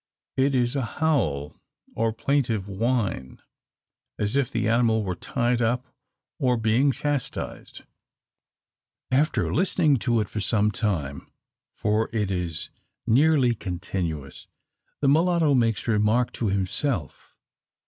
It is a howl, or plaintive whine, as if the animal were tied up, or being chastised! After listening to it for some time for it is nearly continuous the mulatto makes remark to himself.